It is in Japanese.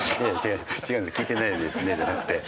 じゃなくて。